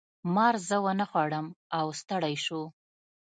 مار زه ونه خوړم او ستړی شو.